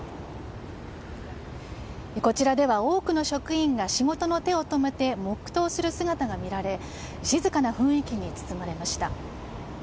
こちらでは多くの職員が仕事の手を止めて黙祷する姿が見られ静かな雰囲気に包まれました。